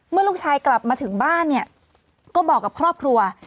เมื่อลูกชายกลับมาถึงบ้านเนี่ยก็บอกกับครอบครัว